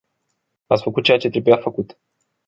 Ați făcut ceea ce trebuia făcut.